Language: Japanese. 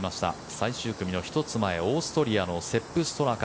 最終組の１つ前オーストリアのセップ・ストラカ。